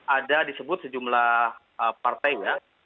ada disebut sejumlah partai ya